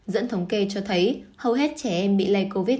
dẫn thống kê cho thấy hầu hết trẻ em bị lây covid